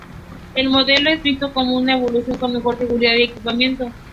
El modelo, es visto como una evolución, con mejor seguridad y equipamiento.